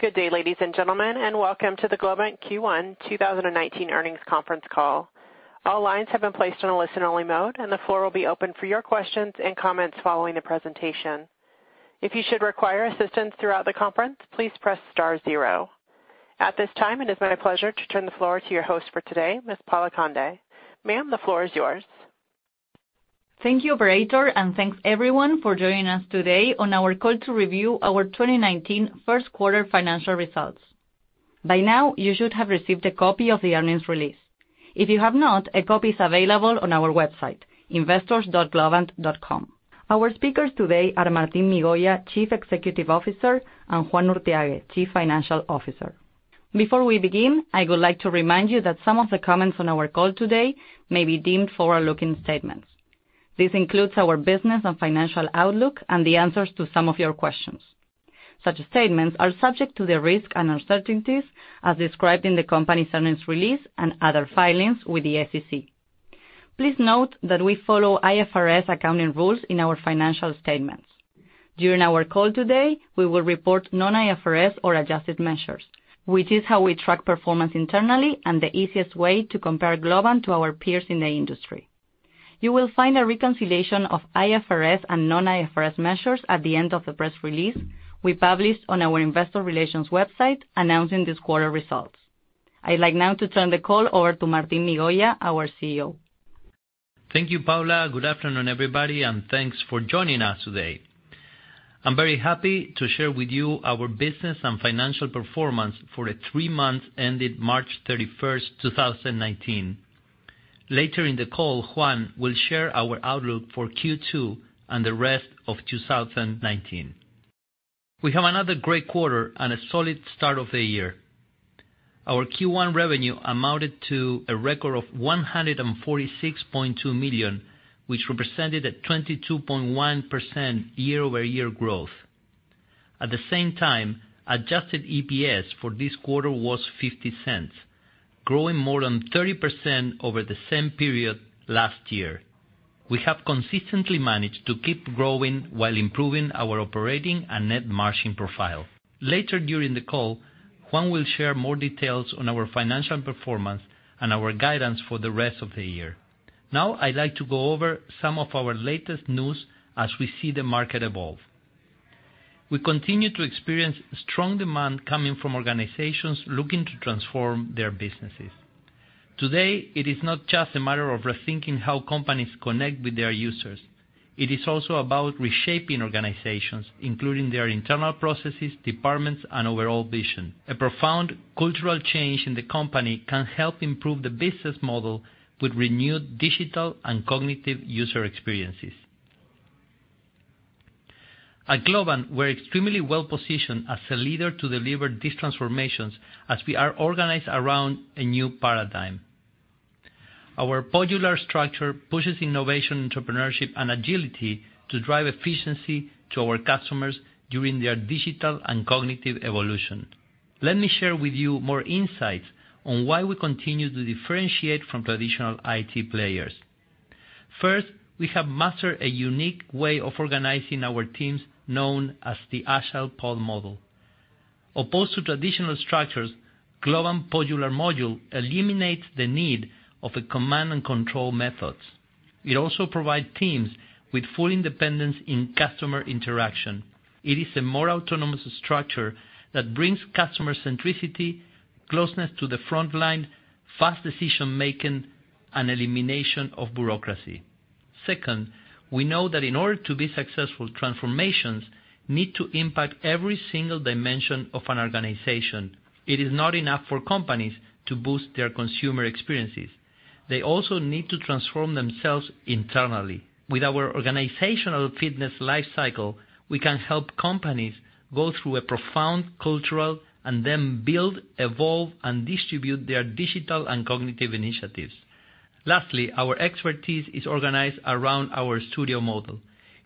Good day, ladies and gentlemen. Welcome to the Globant Q1 2019 earnings conference call. All lines have been placed in a listen-only mode. The floor will be open for your questions and comments following the presentation. If you should require assistance throughout the conference, please press star zero. At this time, it is my pleasure to turn the floor to your host for today, Ms. Paula Conde. Ma'am, the floor is yours. Thank you, operator. Thanks, everyone, for joining us today on our call to review our 2019 first quarter financial results. By now, you should have received a copy of the earnings release. If you have not, a copy is available on our website, investors.globant.com. Our speakers today are Martín Migoya, Chief Executive Officer, and Juan Urthiague, Chief Financial Officer. Before we begin, I would like to remind you that some of the comments on our call today may be deemed forward-looking statements. This includes our business and financial outlook and the answers to some of your questions. Such statements are subject to the risks and uncertainties as described in the company's earnings release and other filings with the SEC. Please note that we follow IFRS accounting rules in our financial statements. During our call today, we will report non-IFRS or adjusted measures, which is how we track performance internally and the easiest way to compare Globant to our peers in the industry. You will find a reconciliation of IFRS and non-IFRS measures at the end of the press release we published on our investor relations website announcing this quarter results. I'd like now to turn the call over to Martín Migoya, our CEO. Thank you, Paula. Good afternoon, everybody. Thanks for joining us today. I'm very happy to share with you our business and financial performance for the three months ended March 31st, 2019. Later in the call, Juan will share our outlook for Q2 and the rest of 2019. We have another great quarter. A solid start of the year. Our Q1 revenue amounted to a record of $146.2 million, which represented a 22.1% year-over-year growth. At the same time, adjusted EPS for this quarter was $0.50, growing more than 30% over the same period last year. Later during the call, Juan will share more details on our financial performance and our guidance for the rest of the year. Now, I'd like to go over some of our latest news as we see the market evolve. We continue to experience strong demand coming from organizations looking to transform their businesses. Today, it is not just a matter of rethinking how companies connect with their users. It is also about reshaping organizations, including their internal processes, departments, and overall vision. A profound cultural change in the company can help improve the business model with renewed digital and cognitive user experiences. At Globant, we're extremely well-positioned as a leader to deliver these transformations as we are organized around a new paradigm. Our podular structure pushes innovation, entrepreneurship, and agility to drive efficiency to our customers during their digital and cognitive evolution. Let me share with you more insights on why we continue to differentiate from traditional IT players. First, we have mastered a unique way of organizing our teams known as the Agile Pod Model. Opposed to traditional structures, Globant podular module eliminates the need of a command and control methods. It also provide teams with full independence in customer interaction. It is a more autonomous structure that brings customer centricity, closeness to the front line, fast decision-making, and elimination of bureaucracy. Second, we know that in order to be successful, transformations need to impact every single dimension of an organization. It is not enough for companies to boost their consumer experiences. They also need to transform themselves internally. With our organizational fitness life cycle, we can help companies go through a profound cultural and then build, evolve, and distribute their digital and cognitive initiatives. Lastly, our expertise is organized around our studio model.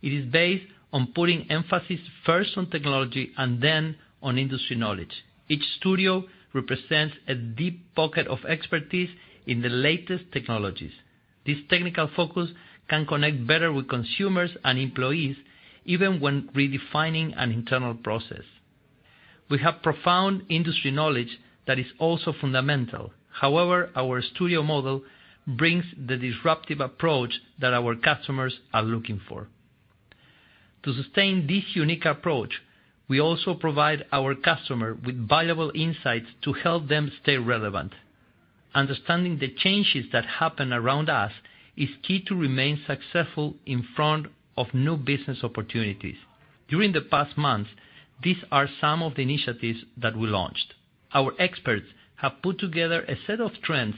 It is based on putting emphasis first on technology and then on industry knowledge. Each studio represents a deep pocket of expertise in the latest technologies. This technical focus can connect better with consumers and employees even when redefining an internal process. We have profound industry knowledge that is also fundamental. Our studio model brings the disruptive approach that our customers are looking for. To sustain this unique approach, we also provide our customer with valuable insights to help them stay relevant. Understanding the changes that happen around us is key to remain successful in front of new business opportunities. During the past months, these are some of the initiatives that we launched. Our experts have put together a set of trends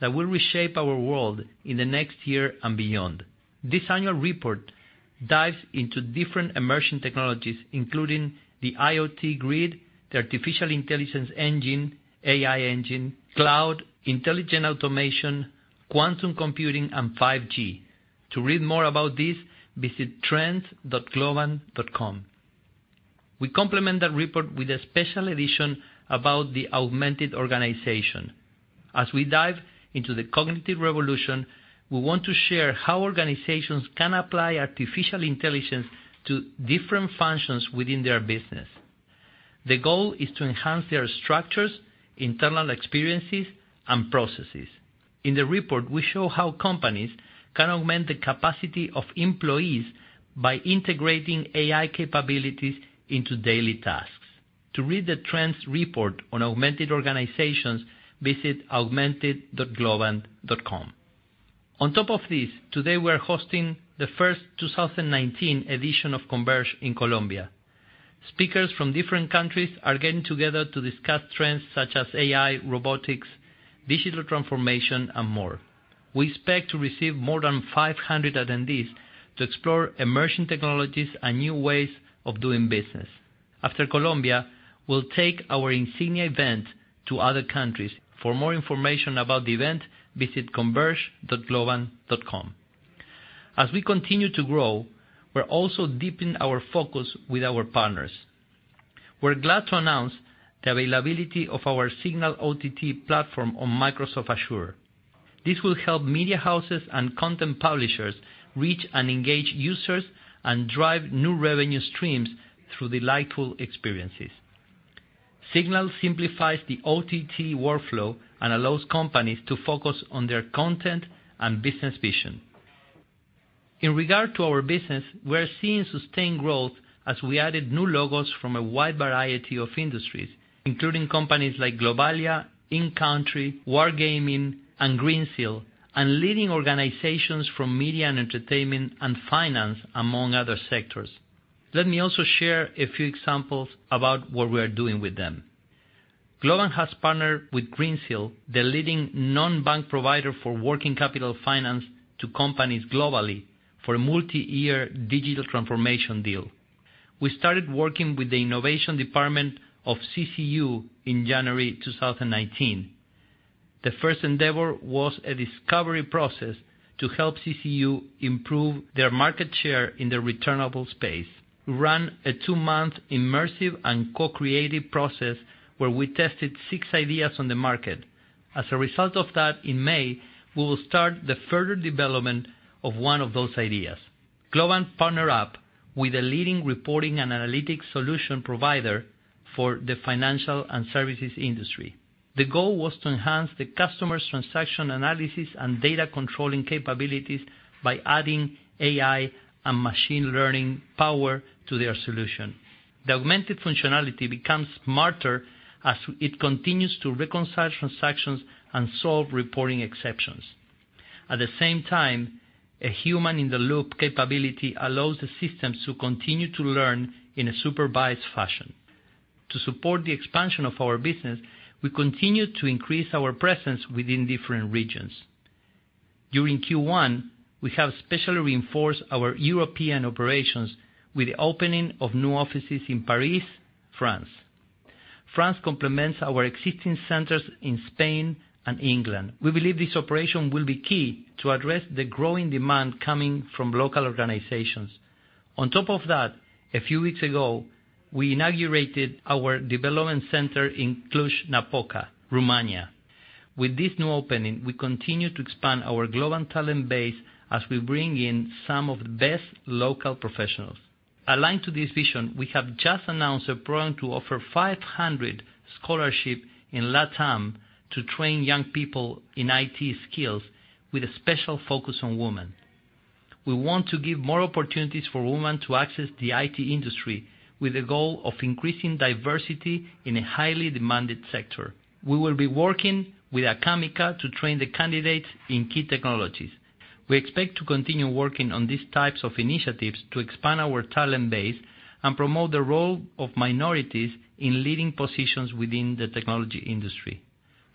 that will reshape our world in the next year and beyond. This annual report dives into different emerging technologies, including the IoT grid, the Artificial Intelligence engine, AI engine, cloud, intelligent automation, quantum computing, and 5G. To read more about this, visit trends.globant.com. We complement that report with a special edition about the augmented organization. We dive into the cognitive revolution, we want to share how organizations can apply artificial intelligence to different functions within their business. The goal is to enhance their structures, internal experiences, and processes. In the report, we show how companies can augment the capacity of employees by integrating AI capabilities into daily tasks. To read the trends report on augmented organizations, visit augmented.globant.com. On top of this, today, we're hosting the first 2019 edition of Converge in Colombia. Speakers from different countries are getting together to discuss trends such as AI, robotics, digital transformation, and more. We expect to receive more than 500 attendees to explore emerging technologies and new ways of doing business. After Colombia, we'll take our insignia event to other countries. For more information about the event, visit converge.globant.com. As we continue to grow, we're also deepening our focus with our partners. We're glad to announce the availability of our Signal OTT platform on Microsoft Azure. This will help media houses and content publishers reach and engage users and drive new revenue streams through delightful experiences. Signal simplifies the OTT workflow and allows companies to focus on their content and business vision. In regard to our business, we're seeing sustained growth as we added new logos from a wide variety of industries, including companies like Globalia, InCountry, Wargaming, and Greensill, and leading organizations from media and entertainment and finance, among other sectors. Let me also share a few examples about what we are doing with them. Globant has partnered with Greensill, the leading non-bank provider for working capital finance to companies globally, for a multi-year digital transformation deal. We started working with the innovation department of CCU in January 2019. The first endeavor was a discovery process to help CCU improve their market share in the returnable space. We ran a two-month immersive and co-creative process where we tested six ideas on the market. As a result of that, in May, we will start the further development of one of those ideas. Globant partnered up with a leading reporting and analytics solution provider for the financial and services industry. The goal was to enhance the customer's transaction analysis and data controlling capabilities by adding AI and machine learning power to their solution. The augmented functionality becomes smarter as it continues to reconcile transactions and solve reporting exceptions. At the same time, a human-in-the-loop capability allows the systems to continue to learn in a supervised fashion. To support the expansion of our business, we continue to increase our presence within different regions. During Q1, we have specially reinforced our European operations with the opening of new offices in Paris, France. France complements our existing centers in Spain and England. We believe this operation will be key to address the growing demand coming from local organizations. On top of that, a few weeks ago, we inaugurated our development center in Cluj-Napoca, Romania. With this new opening, we continue to expand our global talent base as we bring in some of the best local professionals. Aligned to this vision, we have just announced a program to offer 500 scholarships in LATAM to train young people in IT skills with a special focus on women. We want to give more opportunities for women to access the IT industry with the goal of increasing diversity in a highly demanded sector. We will be working with Acámica to train the candidates in key technologies. We expect to continue working on these types of initiatives to expand our talent base and promote the role of minorities in leading positions within the technology industry.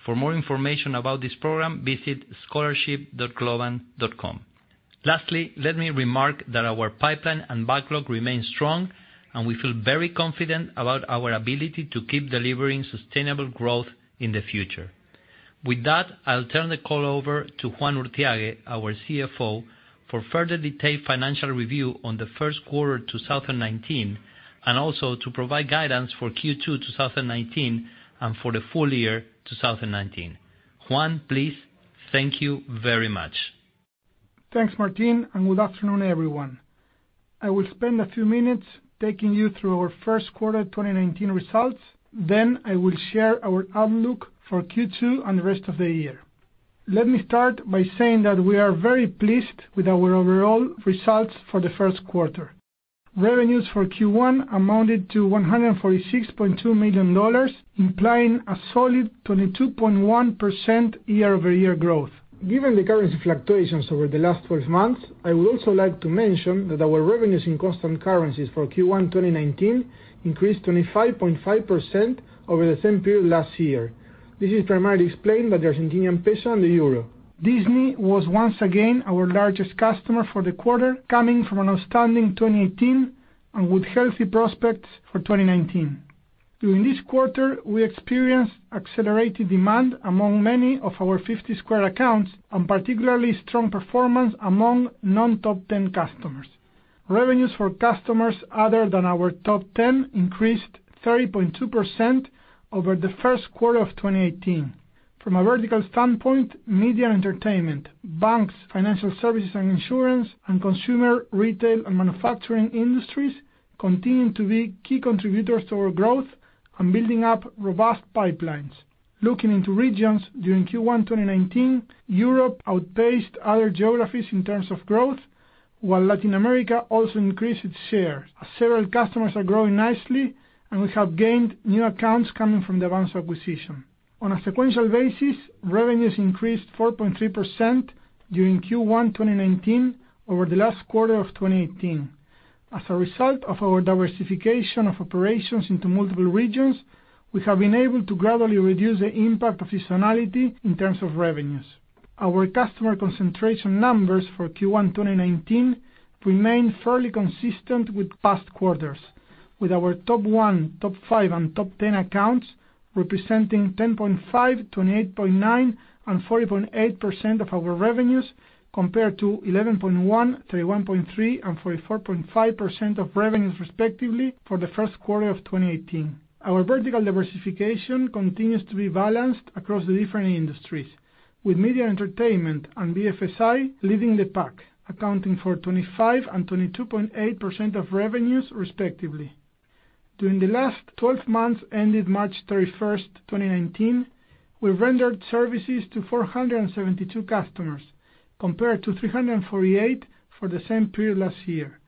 For more information about this program, visit scholarship.globant.com. Lastly, let me remark that our pipeline and backlog remain strong, and we feel very confident about our ability to keep delivering sustainable growth in the future. With that, I'll turn the call over to Juan Urthiague, our CFO, for further detailed financial review on the first quarter 2019, and also to provide guidance for Q2 2019 and for the full year 2019. Juan, please. Thank you very much. Thanks, Martín, good afternoon, everyone. I will spend a few minutes taking you through our first quarter 2019 results. I will share our outlook for Q2 and the rest of the year. Let me start by saying that we are very pleased with our overall results for the first quarter. Revenues for Q1 amounted to $146.2 million, implying a solid 22.1% year-over-year growth. Given the currency fluctuations over the last 12 months, I would also like to mention that our revenues in constant currencies for Q1 2019 increased 25.5% over the same period last year. This is primarily explained by the Argentinian peso and the euro. Disney was once again our largest customer for the quarter, coming from an outstanding 2018 and with healthy prospects for 2019. During this quarter, we experienced accelerated demand among many of our 50 Squared accounts, particularly strong performance among non-top-10 customers. Revenues for customers other than our top 10 increased 30.2% over the first quarter of 2018. From a vertical standpoint, media and entertainment, banks, financial services and insurance, consumer, retail, and manufacturing industries continue to be key contributors to our growth and building up robust pipelines. Looking into regions during Q1 2019, Europe outpaced other geographies in terms of growth, while Latin America also increased its share. Several customers are growing nicely, and we have gained new accounts coming from the Avanxo acquisition. On a sequential basis, revenues increased 4.3% during Q1 2019 over the last quarter of 2018. As a result of our diversification of operations into multiple regions, we have been able to gradually reduce the impact of seasonality in terms of revenues. Our customer concentration numbers for Q1 2019 remain fairly consistent with past quarters, with our top 1, top 5, and top 10 accounts representing 10.5%, 28.9%, and 40.8% of our revenues, compared to 11.1%, 31.3%, and 44.5% of revenues, respectively, for the first quarter of 2018. Our vertical diversification continues to be balanced across the different industries, with media and entertainment and BFSI leading the pack, accounting for 25% and 22.8% of revenues respectively. During the last 12 months ended March 31st, 2019, we rendered services to 472 customers, compared to 348 for the same period last year.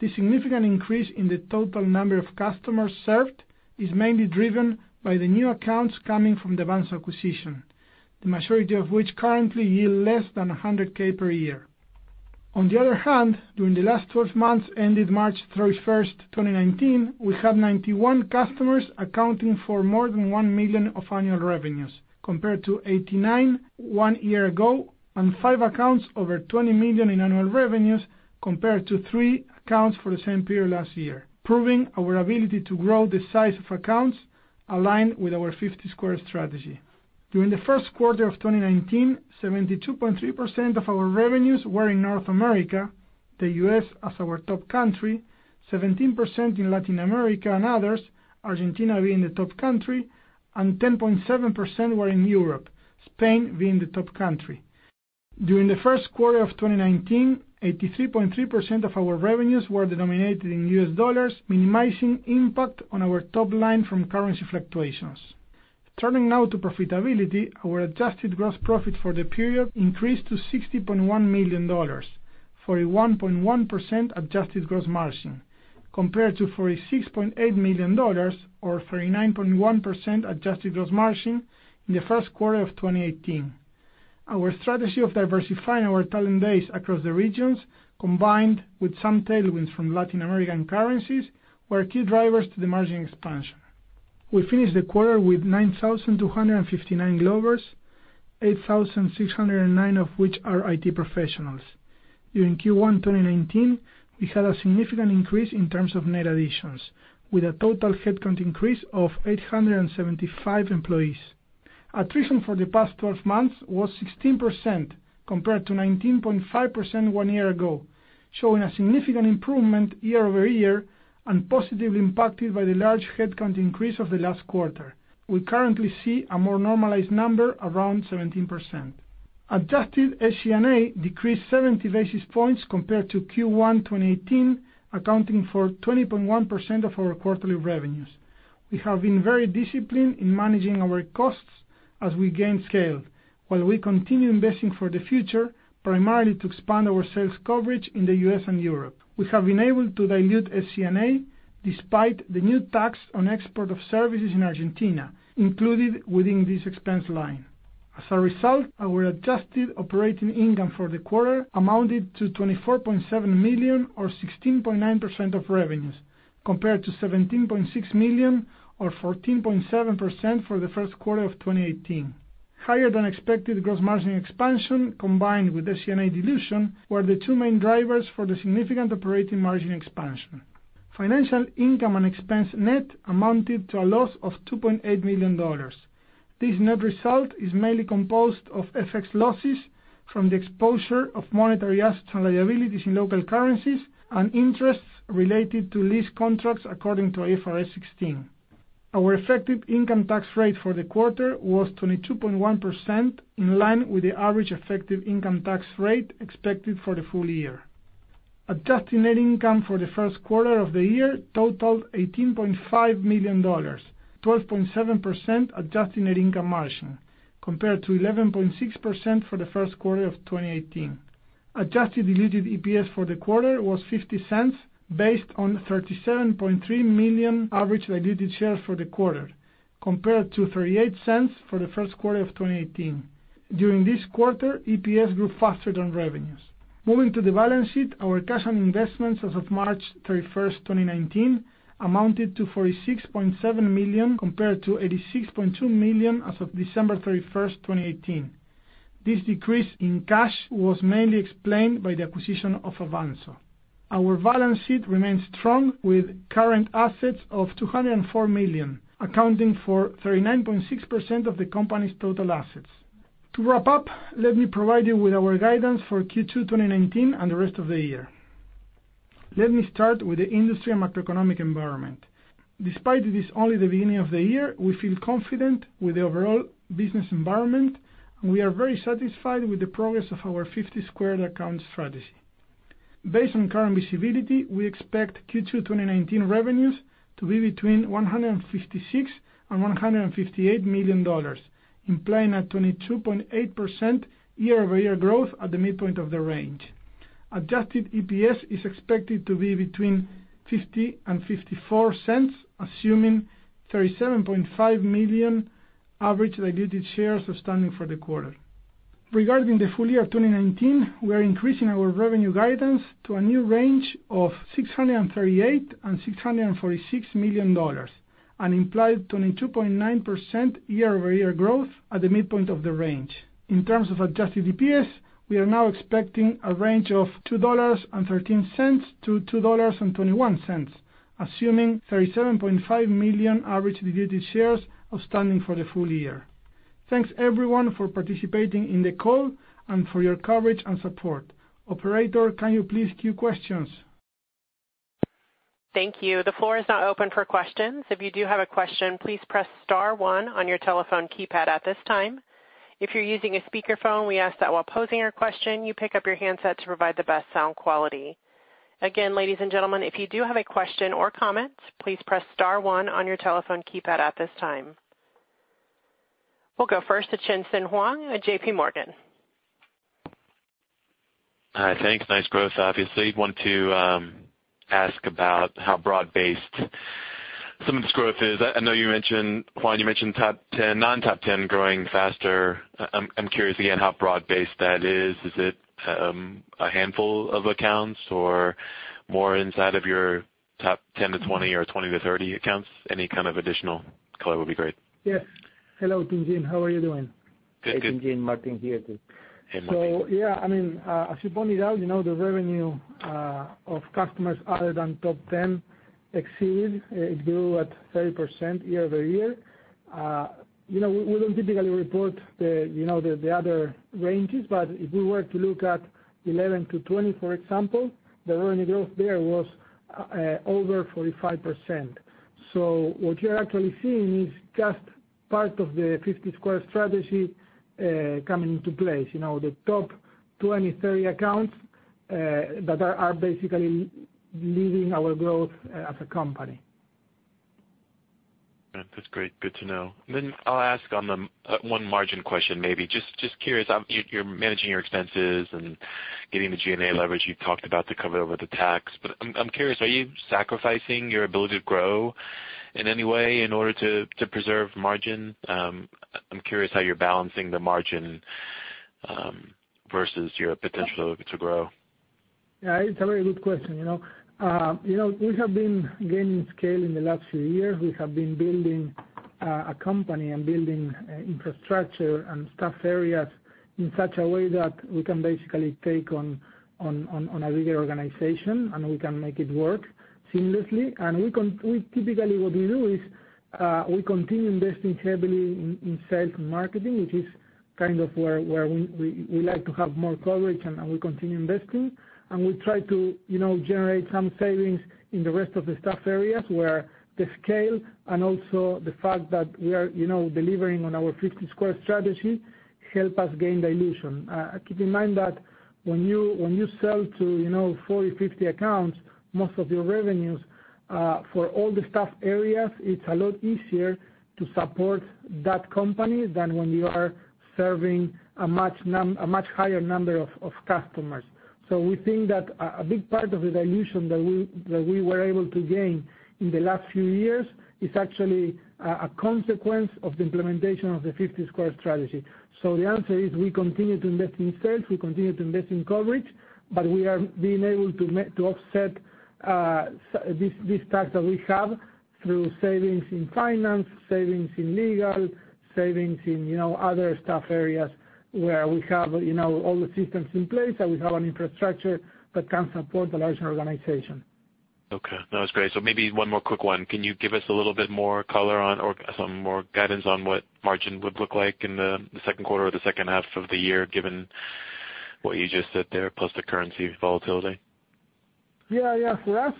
The significant increase in the total number of customers served is mainly driven by the new accounts coming from the Avanxo acquisition, the majority of which currently yield less than $100K per year. On the other hand, during the last 12 months ended March 31st, 2019, we had 91 customers accounting for more than $1 million of annual revenues, compared to 89 one year ago, and five accounts over $20 million in annual revenues, compared to three accounts for the same period last year, proving our ability to grow the size of accounts aligned with our 50 Squared strategy. During the first quarter of 2019, 72.3% of our revenues were in North America, the U.S. as our top country, 17% in Latin America and others, Argentina being the top country, 10.7% were in Europe, Spain being the top country. During the first quarter of 2019, 83.3% of our revenues were denominated in U.S. dollars, minimizing impact on our top line from currency fluctuations. Turning now to profitability, our adjusted gross profit for the period increased to $60.1 million, 41.1% adjusted gross margin, compared to $46.8 million or 39.1% adjusted gross margin in the first quarter of 2018. Our strategy of diversifying our talent base across the regions, combined with some tailwinds from Latin American currencies, were key drivers to the margin expansion. We finished the quarter with 9,259 Globers, 8,609 of which are IT professionals. During Q1 2019, we had a significant increase in terms of net additions, with a total headcount increase of 875 employees. Attrition for the past 12 months was 16%, compared to 19.5% one year ago, showing a significant improvement year-over-year and positively impacted by the large headcount increase of the last quarter. We currently see a more normalized number around 17%. Adjusted SG&A decreased 70 basis points compared to Q1 2018, accounting for 20.1% of our quarterly revenues. We have been very disciplined in managing our costs as we gain scale, while we continue investing for the future, primarily to expand our sales coverage in the U.S. and Europe. We have been able to dilute SG&A despite the new tax on export of services in Argentina, included within this expense line. As a result, our adjusted operating income for the quarter amounted to $24.7 million, or 16.9% of revenues, compared to $17.6 million or 14.7% for the first quarter of 2018. Higher than expected gross margin expansion, combined with SG&A dilution, were the two main drivers for the significant operating margin expansion. Financial income and expense net amounted to a loss of $2.8 million. This net result is mainly composed of FX losses from the exposure of monetary assets and liabilities in local currencies and interests related to lease contracts according to IFRS 16. Our effective income tax rate for the quarter was 22.1%, in line with the average effective income tax rate expected for the full year. Adjusted net income for the first quarter of the year totaled $18.5 million, 12.7% adjusted net income margin, compared to 11.6% for the first quarter of 2018. Adjusted diluted EPS for the quarter was $0.50, based on 37.3 million average diluted shares for the quarter, compared to $0.38 for the first quarter of 2018. During this quarter, EPS grew faster than revenues. Moving to the balance sheet, our cash and investments as of March 31st, 2019 amounted to $46.7 million, compared to $86.2 million as of December 31st, 2018. This decrease in cash was mainly explained by the acquisition of Avanxo. Our balance sheet remains strong with current assets of $204 million, accounting for 39.6% of the company's total assets. To wrap up, let me provide you with our guidance for Q2 2019 and the rest of the year. Let me start with the industry and macroeconomic environment. Despite it is only the beginning of the year, we feel confident with the overall business environment, and we are very satisfied with the progress of our 50 Squared account strategy. Based on current visibility, we expect Q2 2019 revenues to be between $156 million and $158 million, implying a 22.8% year-over-year growth at the midpoint of the range. Adjusted EPS is expected to be between $0.50 and $0.54, assuming 37.5 million average diluted shares outstanding for the quarter. Regarding the full year 2019, we are increasing our revenue guidance to a new range of $638 million-$646 million, an implied 22.9% year-over-year growth at the midpoint of the range. In terms of adjusted EPS, we are now expecting a range of $2.13-$2.21, assuming 37.5 million average diluted shares outstanding for the full year. Thanks everyone for participating in the call and for your coverage and support. Operator, can you please queue questions? Thank you. The floor is now open for questions. If you do have a question, please press star one on your telephone keypad at this time. If you're using a speakerphone, we ask that while posing your question, you pick up your handset to provide the best sound quality. Again, ladies and gentlemen, if you do have a question or comments, please press star one on your telephone keypad at this time. We'll go first to Tien-Tsin Huang at J.P. Morgan. Hi, thanks. Nice growth, obviously. I want to ask about how broad based some of this growth is. I know you mentioned, Juan, you mentioned non-top 10 growing faster. I'm curious again how broad based that is. Is it a handful of accounts or more inside of your top 10-20 or 20-30 accounts? Any kind of additional color would be great. Yes. Hello, Tien-Tsin Huang. How are you doing? Good, good. Tien-Tsin Huang, Martín here too. Hey, Martín. Yeah, as you pointed out, the revenue of customers other than top 10 exceeded, it grew at 30% year-over-year. We don't typically report the other ranges, but if we were to look at 11 to 20, for example, the revenue growth there was over 45%. What you're actually seeing is just part of the 50 Squared strategy coming into place. The top 20, 30 accounts that are basically leading our growth as a company. That's great. Good to know. I'll ask one margin question maybe. Just curious, you're managing your expenses and getting the G&A leverage you talked about to cover over the tax. I'm curious, are you sacrificing your ability to grow in any way in order to preserve margin? I'm curious how you're balancing the margin versus your potential to grow. It's a very good question. We have been gaining scale in the last few years. We have been building a company and building infrastructure and staff areas in such a way that we can basically take on a bigger organization, and we can make it work seamlessly. Typically, what we do is we continue investing heavily in sales and marketing, which is where we like to have more coverage, we continue investing, and we try to generate some savings in the rest of the staff areas where the scale and also the fact that we are delivering on our 50 Squared strategy help us gain dilution. Keep in mind that when you sell to 40, 50 accounts, most of your revenues for all the staff areas, it's a lot easier to support that company than when you are serving a much higher number of customers. We think that a big part of the dilution that we were able to gain in the last few years is actually a consequence of the implementation of the 50 Squared strategy. The answer is we continue to invest in sales, we continue to invest in coverage, we are being able to offset this tax that we have through savings in finance, savings in legal, savings in other staff areas where we have all the systems in place, we have an infrastructure that can support the larger organization. No, it's great. Maybe one more quick one. Can you give us a little bit more color on or some more guidance on what margin would look like in the second quarter or the second half of the year, given what you just said there, plus the currency volatility? Yeah. For us,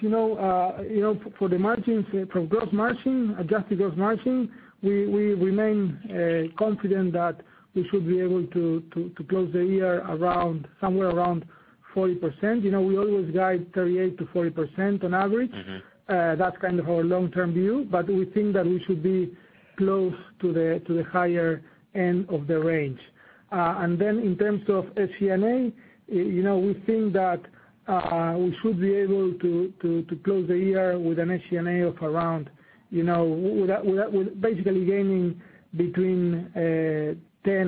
for the margins, for gross margin, adjusted gross margin, we remain confident that we should be able to close the year somewhere around 40%. We always guide 38% to 40% on average. That's kind of our long-term view. We think that we should be close to the higher end of the range. In terms of SG&A, we think that we should be able to close the year with an SG&A of basically gaining between 10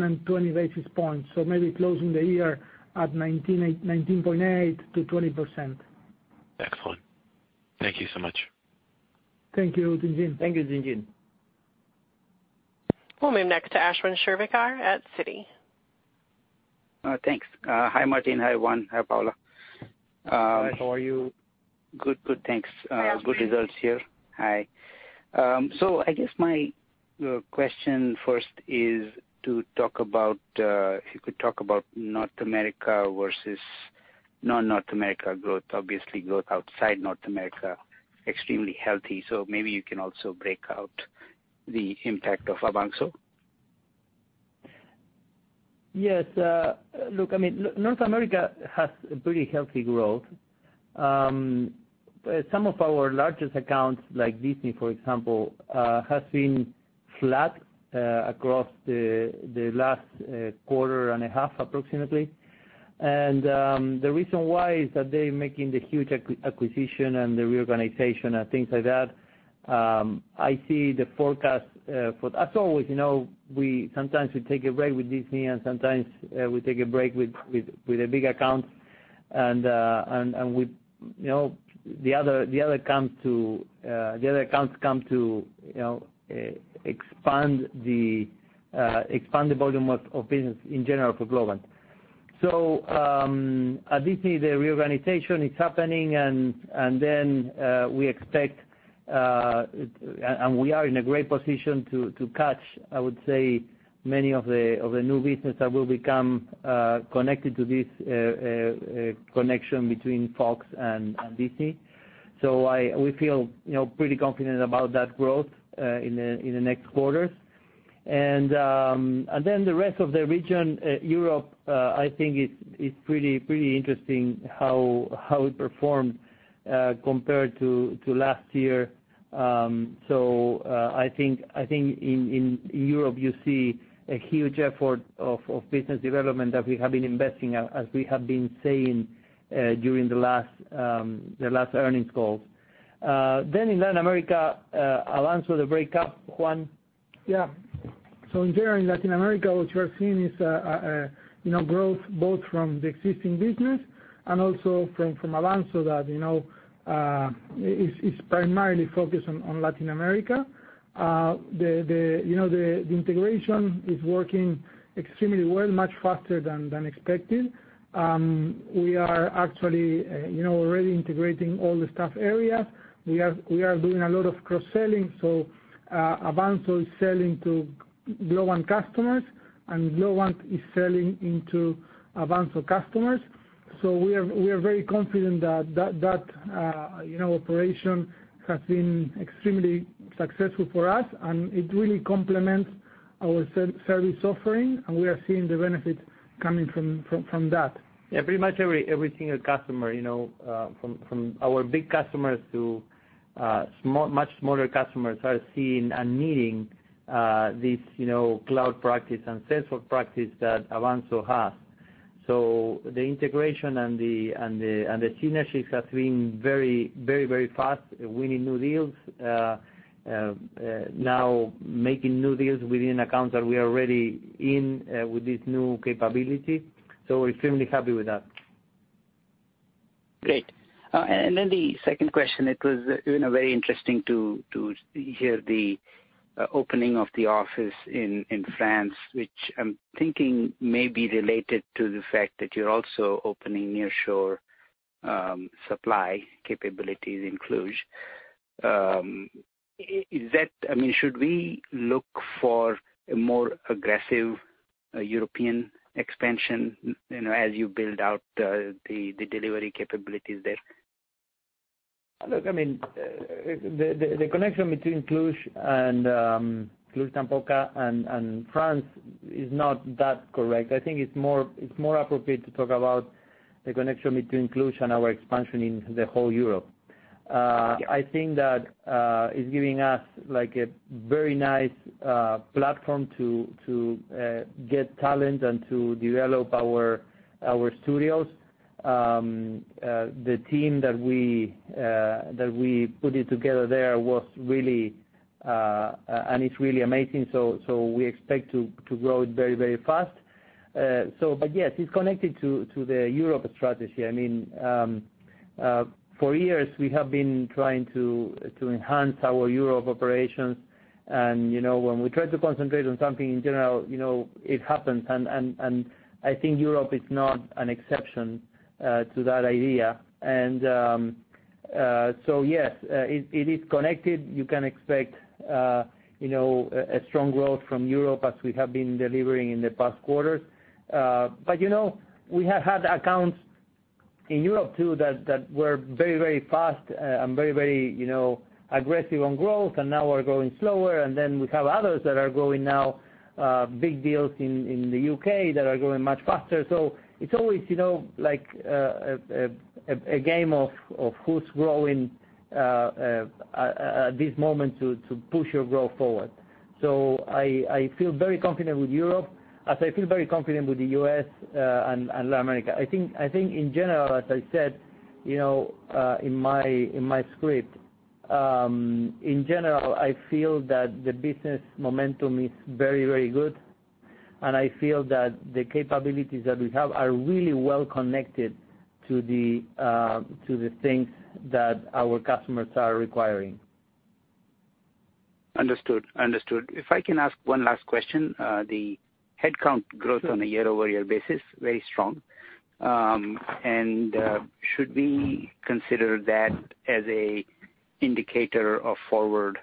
and 20 basis points, so maybe closing the year at 19.8% to 20%. Excellent. Thank you so much. Thank you, Tien-Tsin Huang. Thank you, Tien-Tsin Huang. We'll move next to Ashwin Shirvaikar at Citi. Thanks. Hi, Martín. Hi, Juan. Hi, Paula. Hi, how are you? Good, thanks. Good results here. Hi. I guess my question first is if you could talk about North America versus non-North America growth. Obviously, growth outside North America, extremely healthy. Maybe you can also break out the impact of Avanxo. Yes. Look, North America has a pretty healthy growth. Some of our largest accounts, like Disney, for example, has been flat across the last quarter and a half, approximately. The reason why is that they're making the huge acquisition and the reorganization and things like that. As always, sometimes we take a break with Disney and sometimes we take a break with the big accounts. The other accounts come to expand the volume of business in general for Globant. At Disney, the reorganization is happening, and we are in a great position to catch, I would say, many of the new business that will become connected to this connection between Fox and Disney. We feel pretty confident about that growth in the next quarters. Then the rest of the region, Europe, I think it's pretty interesting how it performed compared to last year. I think in Europe you see a huge effort of business development that we have been investing, as we have been saying during the last earnings calls. In Latin America, Avanxo, the breakup, Juan. Yeah. In there, in Latin America, what you are seeing is growth both from the existing business and also from Avanxo that is primarily focused on Latin America. The integration is working extremely well, much faster than expected. We are actually already integrating all the staff areas. We are doing a lot of cross-selling. Avanxo is selling to Globant customers, and Globant is selling into Avanxo customers. We are very confident that that operation has been extremely successful for us, and it really complements our service offering, and we are seeing the benefit coming from that. Yeah, pretty much every single customer, from our big customers to much smaller customers, are seeing and needing this cloud practice and Salesforce practice that Avanxo has. The integration and the synergies have been very, very fast, winning new deals. Now making new deals within accounts that we are already in with this new capability. We're extremely happy with that. Great. The second question, it was very interesting to hear the opening of the office in France, which I'm thinking may be related to the fact that you're also opening nearshore supply capabilities in Cluj. Should we look for a more aggressive European expansion as you build out the delivery capabilities there? Look, the connection between Cluj-Napoca and France is not that correct. I think it's more appropriate to talk about the connection between Cluj and our expansion in the whole Europe. I think that it's giving us a very nice platform to get talent and to develop our studios. The team that we put it together there, and it's really amazing. We expect to grow it very, very fast. Yes, it's connected to the Europe strategy. For years, we have been trying to enhance our Europe operations. When we try to concentrate on something in general, it happens. I think Europe is not an exception to that idea. Yes, it is connected. You can expect a strong growth from Europe as we have been delivering in the past quarters. We have had accounts in Europe, too, that were very, very fast and very, very aggressive on growth, and now are growing slower. We have others that are growing now, big deals in the U.K. that are growing much faster. It's always like a game of who's growing at this moment to push your growth forward. I feel very confident with Europe, as I feel very confident with the U.S. and Latin America. I think in general, as I said in my script, in general, I feel that the business momentum is very, very good, and I feel that the capabilities that we have are really well connected to the things that our customers are requiring. Understood. If I can ask one last question, the headcount growth on a year-over-year basis, very strong. Should we consider that as a indicator of forward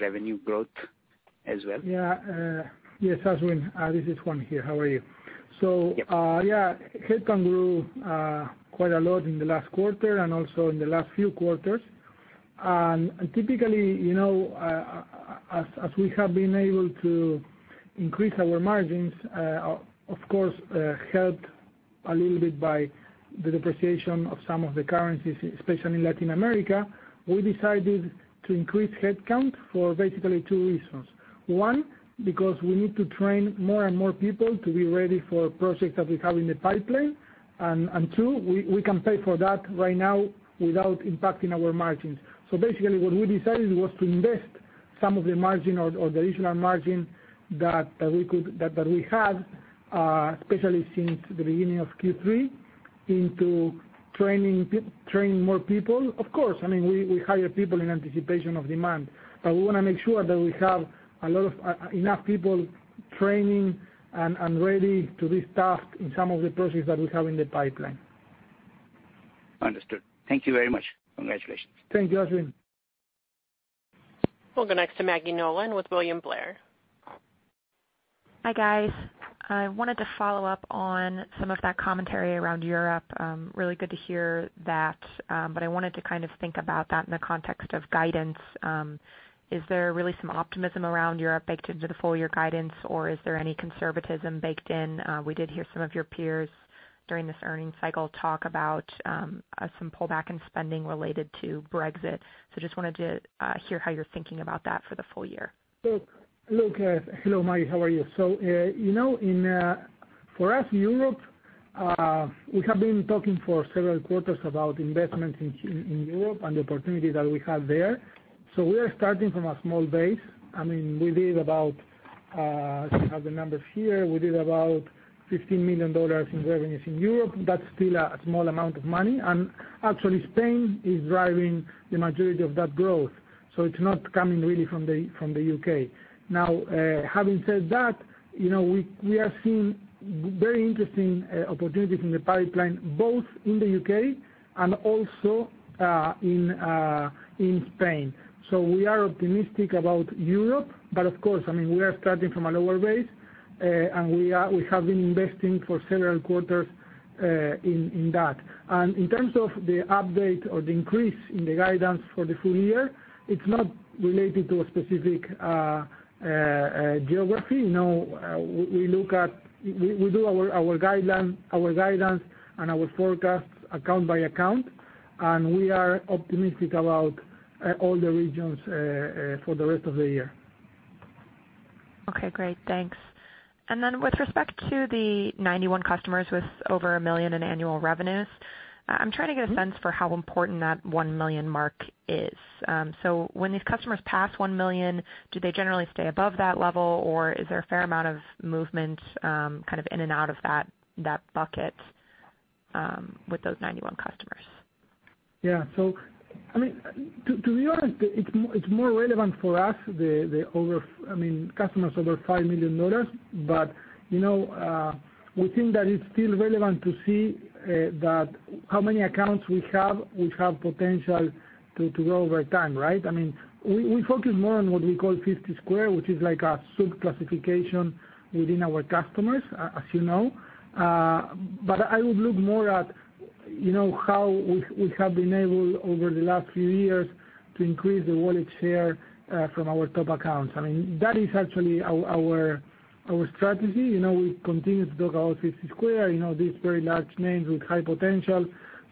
revenue growth as well? Yeah. Yes, Ashwin, this is Juan here. How are you? Yep. Yeah, headcount grew quite a lot in the last quarter and also in the last few quarters. Typically, as we have been able to increase our margins, of course, helped a little bit by the depreciation of some of the currencies, especially in Latin America, we decided to increase headcount for basically two reasons. One because we need to train more and more people to be ready for projects that we have in the pipeline. Two, we can pay for that right now without impacting our margins. Basically, what we decided was to invest some of the margin or the additional margin that we have, especially since the beginning of Q3, into training more people. Of course, we hire people in anticipation of demand, but we want to make sure that we have enough people training and ready to be staffed in some of the projects that we have in the pipeline. Understood. Thank you very much. Congratulations. Thank you, Ashwin. We'll go next to Maggie Nolan with William Blair. Hi, guys. I wanted to follow up on some of that commentary around Europe. Really good to hear that. I wanted to think about that in the context of guidance. Is there really some optimism around Europe baked into the full-year guidance, or is there any conservatism baked in? We did hear some of your peers during this earning cycle talk about some pullback in spending related to Brexit. Just wanted to hear how you're thinking about that for the full year. Hello, Maggie. How are you? For us, Europe, we have been talking for several quarters about investments in Europe and the opportunities that we have there. We are starting from a small base. I have the numbers here. We did about $15 million in revenues in Europe. That's still a small amount of money. Actually, Spain is driving the majority of that growth. It's not coming really from the U.K. Having said that, we are seeing very interesting opportunities in the pipeline, both in the U.K. and also in Spain. We are optimistic about Europe. Of course, we are starting from a lower base, and we have been investing for several quarters in that. In terms of the update or the increase in the guidance for the full year, it's not related to a specific geography. We do our guidance and our forecasts account by account, and we are optimistic about all the regions for the rest of the year. Okay, great. Thanks. With respect to the 91 customers with over $1 million in annual revenues, I'm trying to get a sense for how important that $1 million mark is. When these customers pass $1 million, do they generally stay above that level, or is there a fair amount of movement in and out of that bucket with those 91 customers? Yeah. To be honest, it's more relevant for us, the customers over $5 million. We think that it's still relevant to see how many accounts we have potential to grow over time, right? We focus more on what we call 50 Squared, which is like a sub-classification within our customers, as you know. I would look more at how we have been able, over the last few years, to increase the wallet share from our top accounts. That is actually our strategy. We continue to talk about 50 Squared, these very large names with high potential.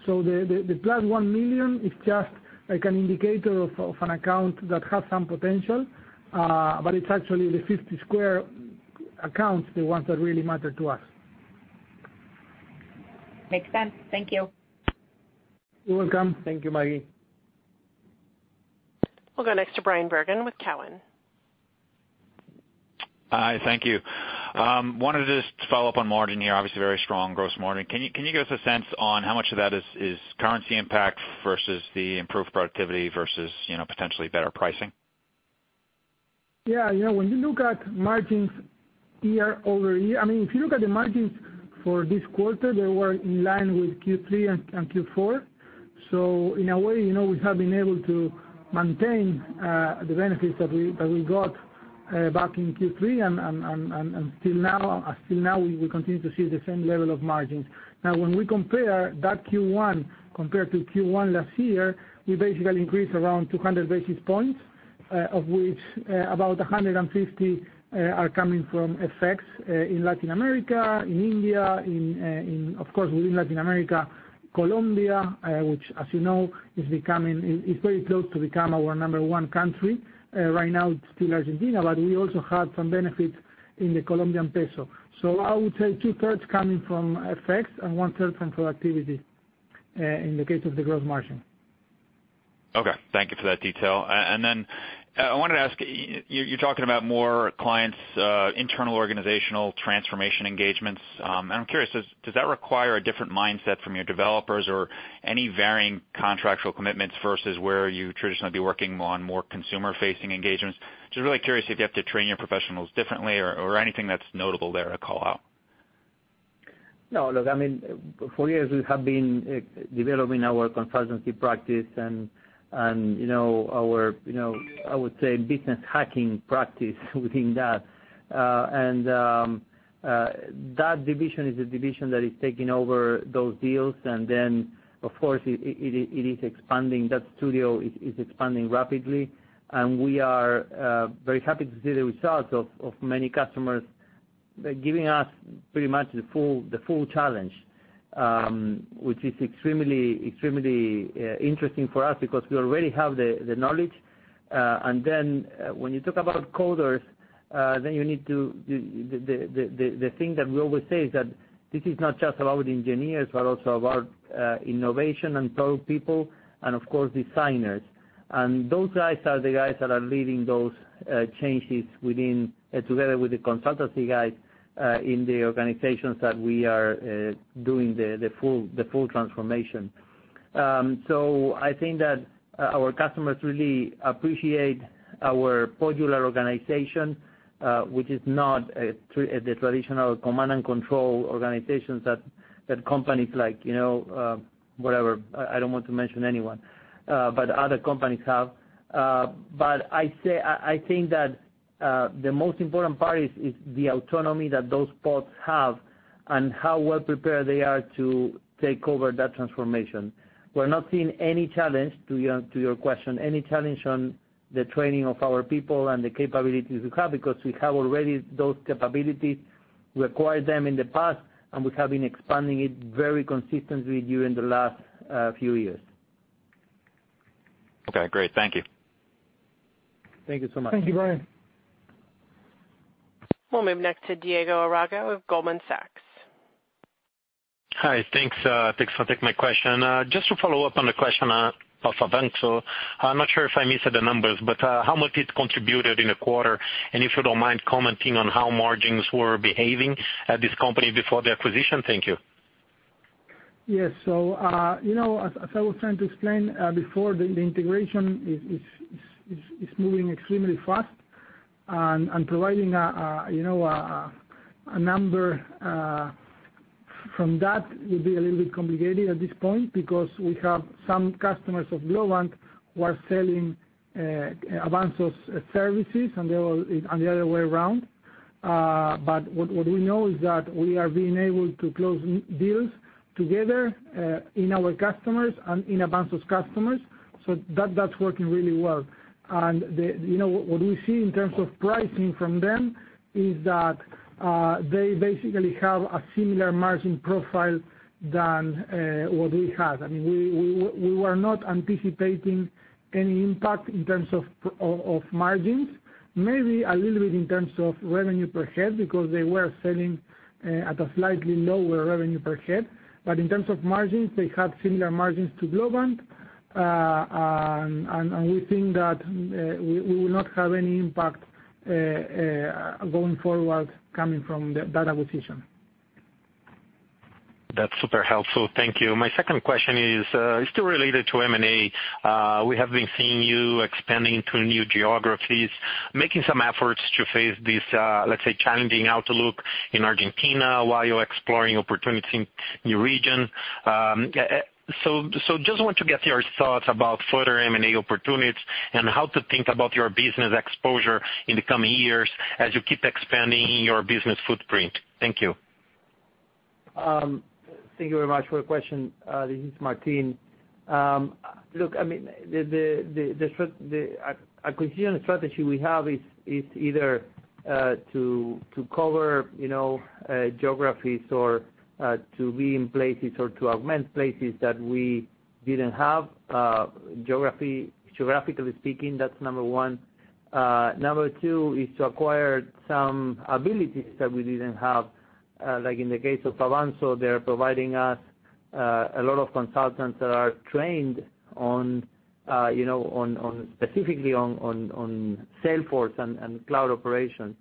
The plus $1 million is just like an indicator of an account that has some potential. It's actually the 50 Squared accounts, the ones that really matter to us. Makes sense. Thank you. You're welcome. Thank you, Maggie. We'll go next to Bryan Bergin with Cowen. Hi, thank you. I wanted to just follow up on margin here. Obviously, very strong gross margin. Can you give us a sense on how much of that is currency impact versus the improved productivity versus potentially better pricing? Yeah. When you look at margins year-over-year, if you look at the margins for this quarter, they were in line with Q3 and Q4. In a way, we have been able to maintain the benefits that we got back in Q3, still now, we continue to see the same level of margins. When we compare that Q1 compared to Q1 last year, we basically increased around 200 basis points, of which about 150 are coming from effects in Latin America, in India, of course, within Latin America, Colombia, which as you know, is very close to become our number 1 country. Right now it's still Argentina, but we also have some benefits in the Colombian peso. I would say two-thirds coming from effects and one-third from productivity in the case of the gross margin. Okay. Thank you for that detail. I wanted to ask, you're talking about more clients' internal organizational transformation engagements. I'm curious, does that require a different mindset from your developers or any varying contractual commitments versus where you traditionally would be working on more consumer-facing engagements? Just really curious if you have to train your professionals differently or anything that's notable there to call out. No, look, for years we have been developing our consultancy practice and our, I would say business hacking practice within that. That division is the division that is taking over those deals. Of course, that studio is expanding rapidly. We are very happy to see the results of many customers giving us pretty much the full challenge, which is extremely interesting for us because we already have the knowledge. When you talk about coders, the thing that we always say is that this is not just about engineers, but also about innovation and pro people and of course, designers. Those guys are the guys that are leading those changes together with the consultancy guys, in the organizations that we are doing the full transformation. I think that our customers really appreciate our modular organization, which is not the traditional command and control organizations that companies like, whatever, I don't want to mention anyone, but other companies have. I think that the most important part is the autonomy that those pods have and how well-prepared they are to take over that transformation. We're not seeing any challenge, to your question, any challenge on the training of our people and the capabilities we have, because we have already those capabilities, required them in the past, and we have been expanding it very consistently during the last few years. Okay, great. Thank you. Thank you so much. Thank you, Bryan. We'll move next to Diego Aragao with Goldman Sachs. Hi. Thanks for taking my question. Just to follow up on the question of Avanxo. I'm not sure if I missed the numbers, but how much it contributed in a quarter, and if you don't mind commenting on how margins were behaving at this company before the acquisition. Thank you. Yes. As I was trying to explain before, the integration is moving extremely fast and providing a number from that will be a little bit complicated at this point because we have some customers of Globant who are selling Avanxo's services and the other way around. What we know is that we are being able to close deals together, in our customers and in Avanxo's customers. That's working really well. What we see in terms of pricing from them is that they basically have a similar margin profile than what we have. We were not anticipating any impact in terms of margins. Maybe a little bit in terms of revenue per head, because they were selling at a slightly lower revenue per head. In terms of margins, they have similar margins to Globant. We think that we will not have any impact going forward coming from that acquisition. That's super helpful. Thank you. My second question is still related to M&A. We have been seeing you expanding to new geographies, making some efforts to face this, let's say, challenging outlook in Argentina while you're exploring opportunity in new region. Just want to get your thoughts about further M&A opportunities and how to think about your business exposure in the coming years as you keep expanding your business footprint. Thank you. Thank you very much for the question. This is Martín. Look, acquisition strategy we have is either to cover geographies or to be in places or to augment places that we didn't have geographically speaking. That's number one. Number two is to acquire some abilities that we didn't have. Like in the case of Avanxo, they're providing us a lot of consultants that are trained specifically on Salesforce and cloud operations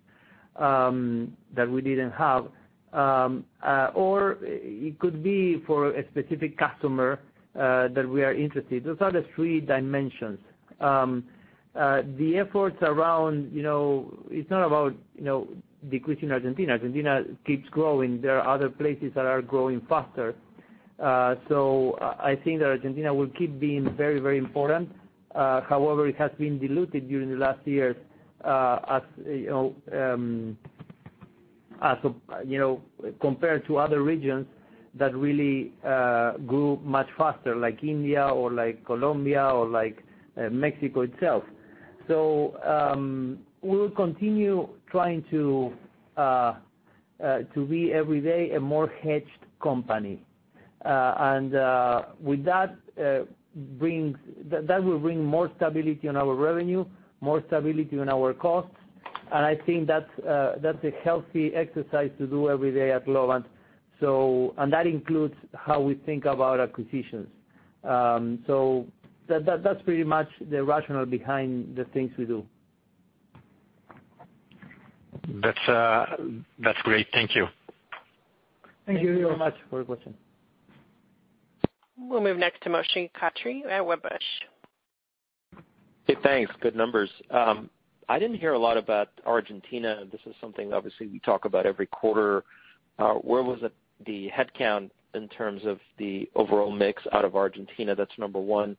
that we didn't have. Or it could be for a specific customer that we are interested. Those are the three dimensions. The efforts around, it's not about decreasing Argentina. Argentina keeps growing. There are other places that are growing faster. I think that Argentina will keep being very important. However, it has been diluted during the last years compared to other regions that really grew much faster, like India or like Colombia or like Mexico itself. We will continue trying to be every day a more hedged company. That will bring more stability in our revenue, more stability in our costs. I think that's a healthy exercise to do every day at Globant. That includes how we think about acquisitions. That's pretty much the rationale behind the things we do. That's great. Thank you. Thank you very much for your question. We'll move next to Moshe Katri at Wedbush. Hey, thanks. Good numbers. I didn't hear a lot about Argentina. This is something, obviously, we talk about every quarter. Where was the headcount in terms of the overall mix out of Argentina? That's number 1.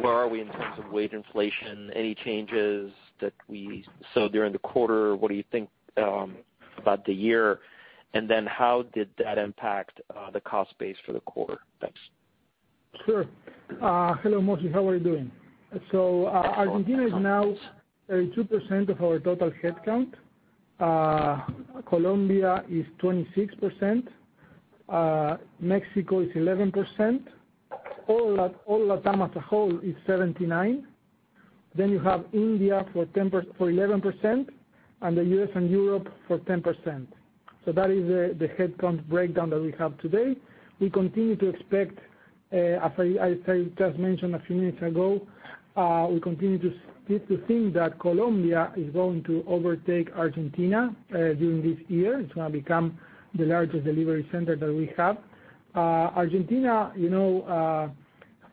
Where are we in terms of wage inflation? Any changes that we saw during the quarter? What do you think about the year? How did that impact the cost base for the quarter? Thanks. Sure. Hello, Moshe. How are you doing? Argentina is now 32% of our total headcount. Colombia is 26%. Mexico is 11%. All LatAm as a whole is 79%. You have India for 11%, and the U.S. and Europe for 10%. That is the headcount breakdown that we have today. We continue to expect, as I just mentioned a few minutes ago, we continue to think that Colombia is going to overtake Argentina during this year. It's going to become the largest delivery center that we have. Argentina,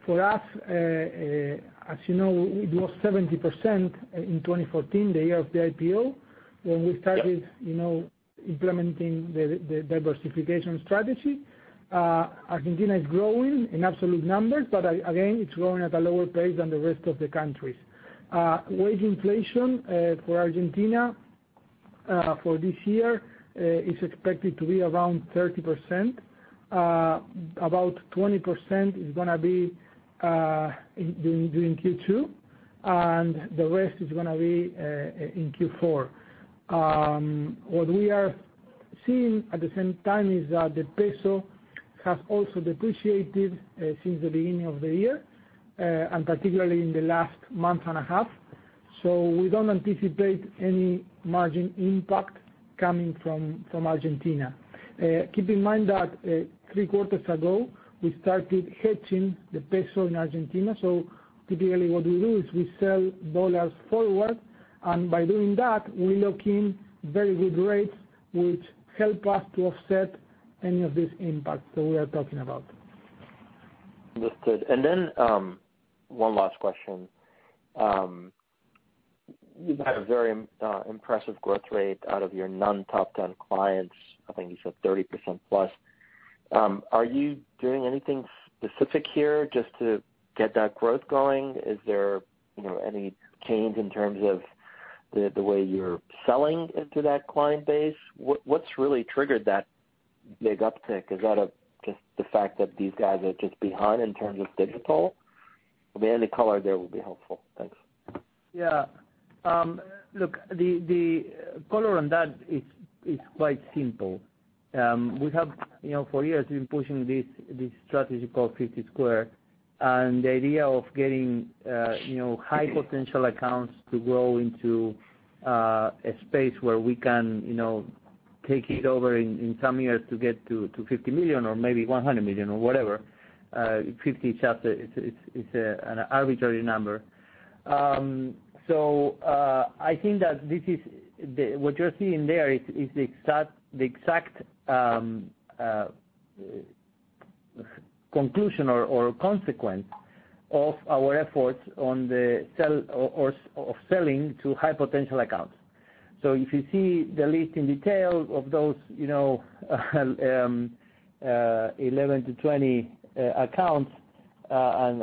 for us, as you know, it was 70% in 2014, the year of the IPO, when we started implementing the diversification strategy. Argentina is growing in absolute numbers, but again, it's growing at a lower pace than the rest of the countries. Wage inflation for Argentina for this year is expected to be around 30%. About 20% is going to be during Q2, and the rest is going to be in Q4. What we are seeing at the same time is that the peso has also depreciated since the beginning of the year, and particularly in the last month and a half. We don't anticipate any margin impact coming from Argentina. Keep in mind that three quarters ago, we started hedging the peso in Argentina. Typically, what we do is we sell dollars forward, and by doing that, we lock in very good rates, which help us to offset any of this impact that we are talking about. Understood. One last question. You've had a very impressive growth rate out of your non-top 10 clients. I think you said 30% plus. Are you doing anything specific here just to get that growth going? Is there any change in terms of the way you're selling into that client base? What's really triggered that big uptick? Is that just the fact that these guys are just behind in terms of digital? Any color there will be helpful. Thanks. Yeah. Look, the color on that is quite simple. We have, for years, been pushing this strategy called 50 Squared, the idea of getting high potential accounts to grow into a space where we can take it over in some years to get to $50 million or maybe $100 million or whatever. 50 is an arbitrary number. I think that what you're seeing there is the exact conclusion or consequence of our efforts of selling to high potential accounts. If you see the list in detail of those 11 to 20 accounts and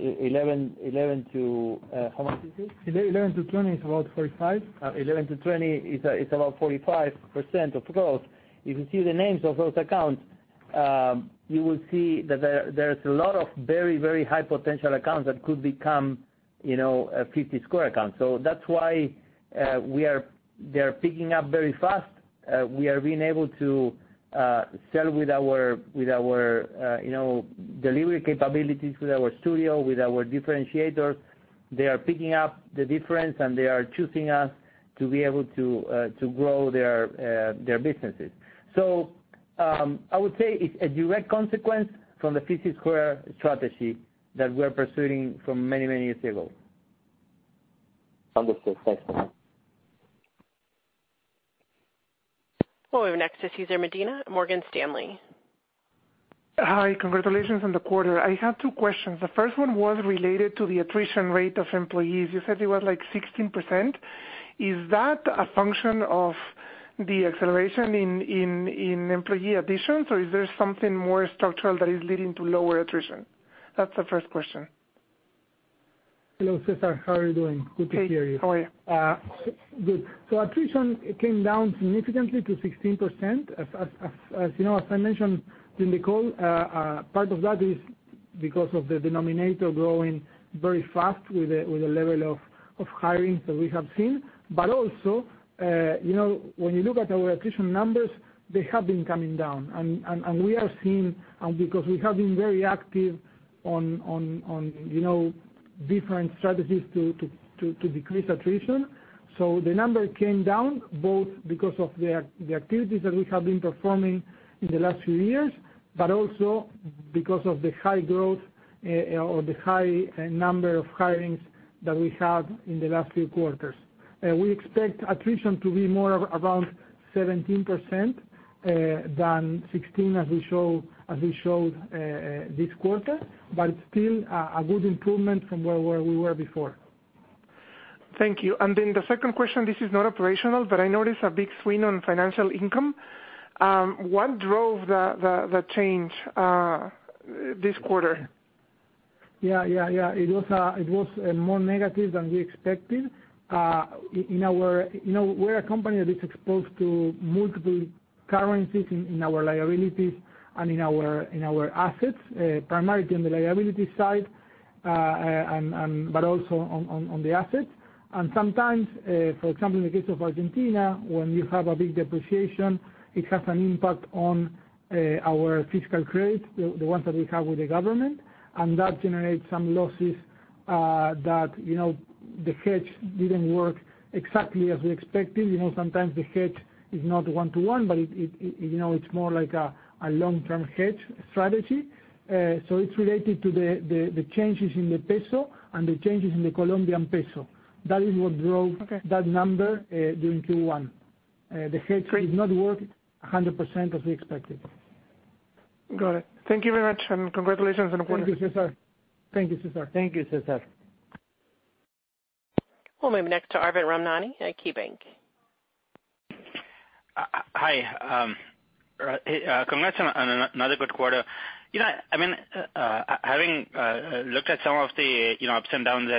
11 to How much is it? 11 to 20 is about 45%. 11 to 20 is about 45% of growth. If you see the names of those accounts, you will see that there's a lot of very high potential accounts that could become 50 Squared accounts. That's why they're picking up very fast. We are being able to sell with our delivery capabilities, with our studio, with our differentiators. They are picking up the difference, they are choosing us to be able to grow their businesses. I would say it's a direct consequence from the 50 Squared strategy that we're pursuing from many years ago. Understood. Thanks. We'll go next to Cesar Medina, Morgan Stanley. Hi. Congratulations on the quarter. I have two questions. The first one was related to the attrition rate of employees. You said it was, like, 16%. Is that a function of the acceleration in employee additions, or is there something more structural that is leading to lower attrition? That's the first question. Hello, Cesar. How are you doing? Good to hear you. Hey. How are you? Good. Attrition came down significantly to 16%. As I mentioned in the call, part of that is because of the denominator growing very fast with the level of hiring that we have seen. Also, when you look at our attrition numbers, they have been coming down. Because we have been very active on different strategies to decrease attrition. The number came down both because of the activities that we have been performing in the last few years, but also because of the high growth or the high number of hirings that we have in the last few quarters. We expect attrition to be more around 17% than 16%, as we showed this quarter. It's still a good improvement from where we were before. Thank you. The second question, this is not operational, but I noticed a big swing on financial income. What drove the change this quarter? Yeah. It was more negative than we expected. We're a company that is exposed to multiple currencies in our liabilities and in our assets, primarily on the liability side, but also on the assets. Sometimes, for example, in the case of Argentina, when you have a big depreciation, it has an impact on our fiscal credit, the ones that we have with the government, and that generates some losses that the hedge didn't work exactly as we expected. Sometimes the hedge is not one-to-one, but it's more like a long-term hedge strategy. It's related to the changes in the peso and the changes in the Colombian peso. That is what drove. Okay that number during Q1. The hedge Great did not work 100% as we expected. Got it. Thank you very much, and congratulations on a quarter. Thank you, Cesar. Thank you, Cesar. We'll move next to Arvind Ramnani at KeyBanc. Hi. Congrats on another good quarter. Having looked at some of the ups and downs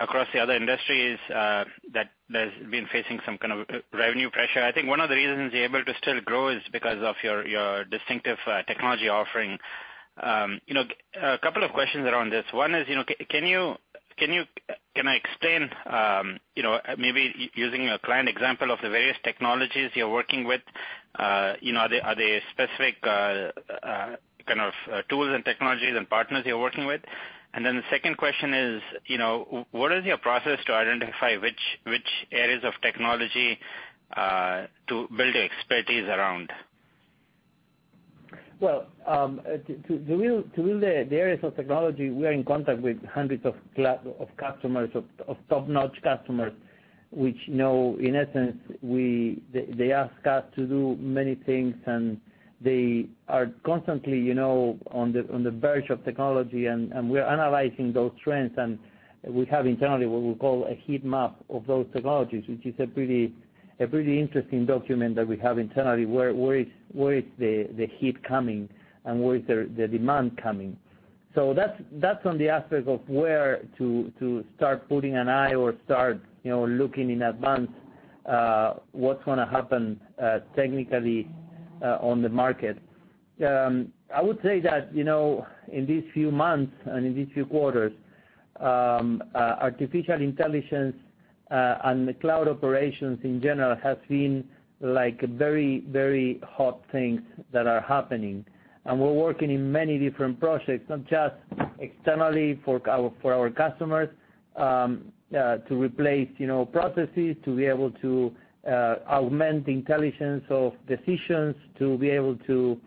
across the other industries that has been facing some kind of revenue pressure, I think one of the reasons you're able to still grow is because of your distinctive technology offering. A couple of questions around this. One is, can I explain, maybe using a client example of the various technologies you're working with? Are there specific kind of tools and technologies and partners you're working with? What is your process to identify which areas of technology to build the expertise around? Well, to build the areas of technology, we are in contact with hundreds of customers, of top-notch customers, which, in essence, they ask us to do many things, and they are constantly on the verge of technology, and we're analyzing those trends, and we have internally what we call a heat map of those technologies, which is a pretty interesting document that we have internally, where is the heat coming and where is the demand coming? That's on the aspect of where to start putting an eye or start looking in advance what's going to happen technically on the market. I would say that, in these few months and in these few quarters, artificial intelligence and the cloud operations in general has been very hot things that are happening. We're working in many different projects, not just externally for our customers, to replace processes, to be able to augment intelligence of decisions, to be able to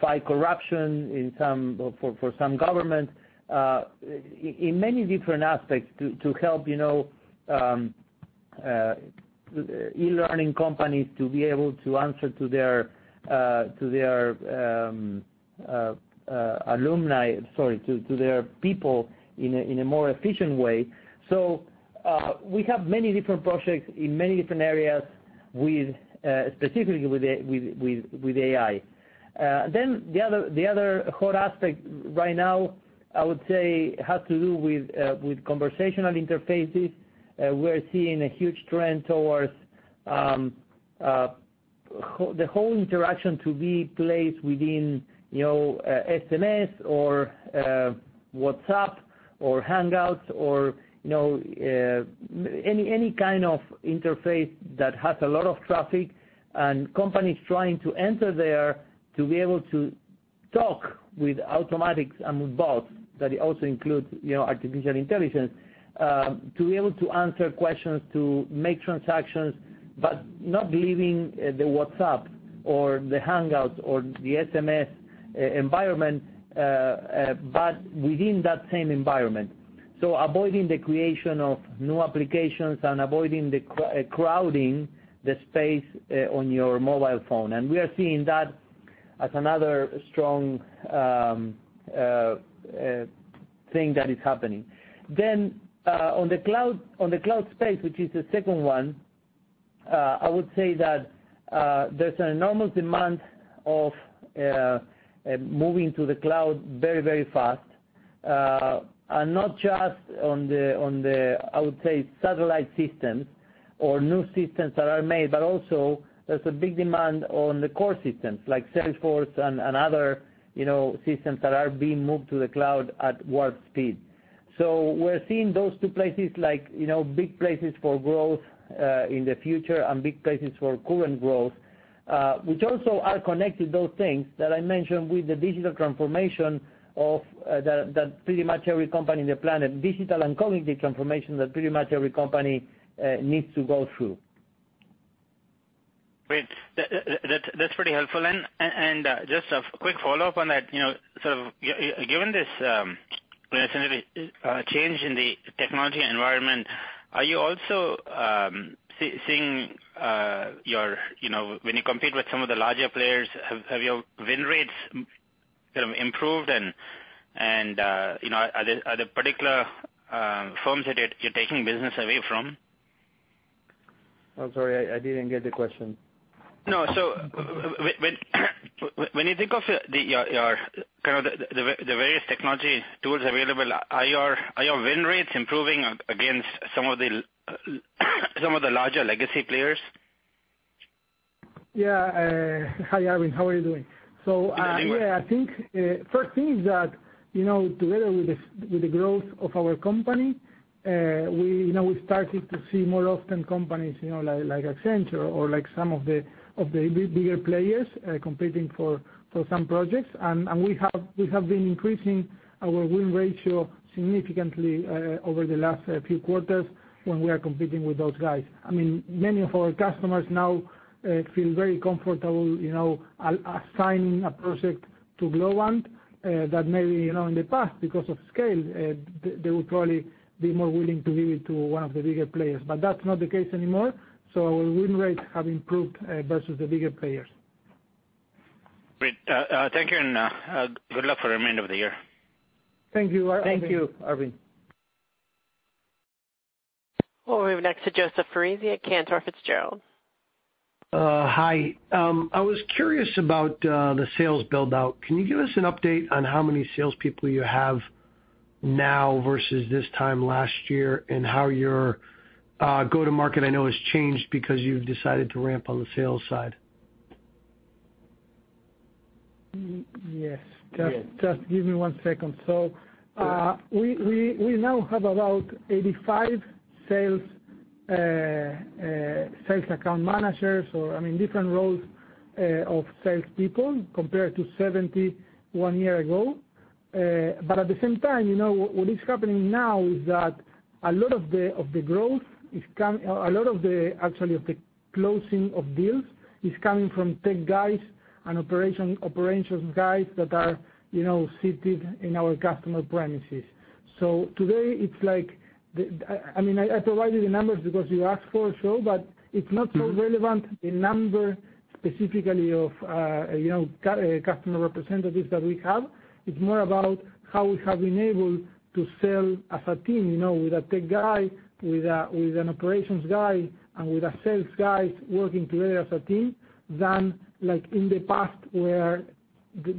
fight corruption for some governments. In many different aspects to help e-learning companies to be able to answer to their people in a more efficient way. We have many different projects in many different areas, specifically with AI. The other core aspect right now, I would say, has to do with conversational interfaces. We're seeing a huge trend towards the whole interaction to be placed within SMS or WhatsApp or Hangouts or any kind of interface that has a lot of traffic. Companies trying to enter there to be able to talk with automatics and with bots, that it also includes artificial intelligence, to be able to answer questions, to make transactions, but not leaving the WhatsApp or the Hangouts or the SMS environment, but within that same environment. Avoiding the creation of new applications and avoiding the crowding the space on your mobile phone. We are seeing that as another strong thing that is happening. On the cloud space, which is the second one, I would say that there's an enormous demand of moving to the cloud very, very fast. Not just on the, I would say, satellite systems or new systems that are made, but also there's a big demand on the core systems like Salesforce and other systems that are being moved to the cloud at warp speed. We're seeing those two places like big places for growth in the future and big places for current growth, which also are connected, those things that I mentioned with the digital transformation of that pretty much every company in the planet, digital and cognitive transformation that pretty much every company needs to go through. Great. That's pretty helpful. Just a quick follow-up on that, given this change in the technology environment, are you also seeing when you compete with some of the larger players, have your win rates sort of improved and are there particular firms that you're taking business away from? I'm sorry, I didn't get the question. No. When you think of the various technology tools available, are your win rates improving against some of the larger legacy players? Yeah. Hi, Arvind, how are you doing? Doing great. Yeah, I think first thing is that together with the growth of our company, we started to see more often companies like Accenture or like some of the bigger players competing for some projects. We have been increasing our win ratio significantly over the last few quarters when we are competing with those guys. Many of our customers now feel very comfortable assigning a project to Globant that maybe in the past because of scale, they would probably be more willing to give it to one of the bigger players. That's not the case anymore. Our win rates have improved versus the bigger players. Great. Thank you, and good luck for the remainder of the year. Thank you, Arvind. Thank you, Arvind. We'll move next to Joseph Foresi at Cantor Fitzgerald. Hi. I was curious about the sales build-out. Can you give us an update on how many salespeople you have now versus this time last year and how your go-to-market I know has changed because you've decided to ramp on the sales side? Yes. Just give me one second. Sure We now have about 85 sales account managers or different roles of salespeople compared to 70 one year ago. At the same time, what is happening now is that a lot of the growth is. A lot of the actually of the closing of deals is coming from tech guys and operations guys that are seated in our customer premises. Today it's like, I provided the numbers because you asked for it, so, but it's not so relevant the number specifically of customer representatives that we have. It's more about how we have been able to sell as a team with a tech guy, with an operations guy, and with a sales guy working together as a team than like in the past where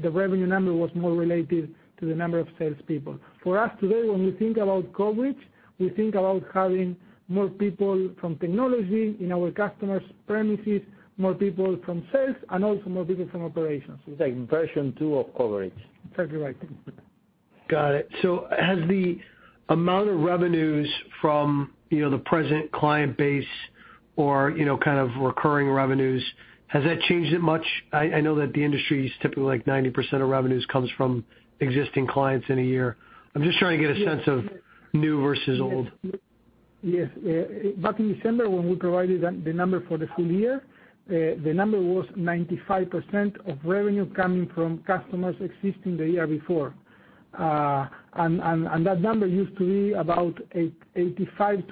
the revenue number was more related to the number of salespeople. For us today, when we think about coverage, we think about having more people from technology in our customer's premises, more people from sales, and also more people from operations. It's like version 2 of coverage. That's right. Got it. Has the amount of revenues from the present client base or kind of recurring revenues, has that changed that much? I know that the industry is typically like 90% of revenues comes from existing clients in a year. I'm just trying to get a sense of new versus old. Yes. Back in December when we provided the number for the full year, the number was 95% of revenue coming from customers existing the year before. That number used to be about 85%-90%